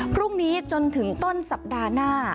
พรุ่งนี้จนถึงต้นสัปดาห์หน้า